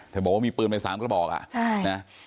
แต่บอกว่ามีเปลืองในสามก็บอกอ่ะใช่